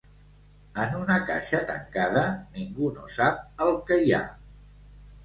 En una caixa tancada ningú no sap el que hi ha.